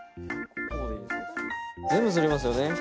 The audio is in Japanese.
全部すりますよね？